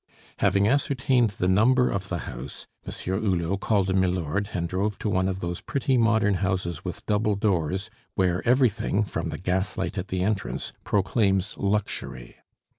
Having ascertained the number of the house, Monsieur Hulot called a milord and drove to one of those pretty modern houses with double doors, where everything, from the gaslight at the entrance, proclaims luxury.